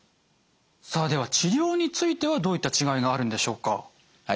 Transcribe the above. さあでは治療についてはどういった違いがあるんでしょうか？